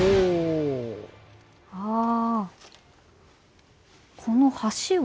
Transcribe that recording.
ああ。